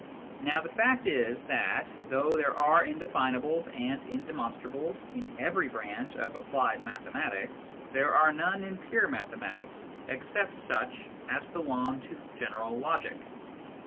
Now the fact is that, though there are indefinables and indemonstrables in every branch of applied mathematics, there are none in pure mathematics except such as belong to general logic.